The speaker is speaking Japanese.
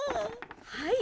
はい。